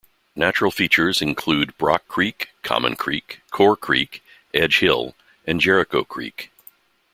Natural features include Brock Creek, Common Creek, Core Creek, Edge Hill, and Jericho Creek.